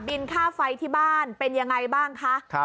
บินค่าไฟที่บ้านเป็นอย่างไรบ้างคะ